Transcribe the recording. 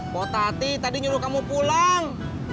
mau tati tadi nyuruh kamu pulang